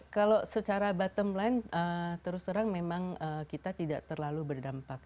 kalau secara bottom line terus terang memang kita tidak terlalu berdampak